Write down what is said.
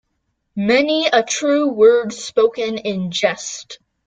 Many a true word spoken in jest.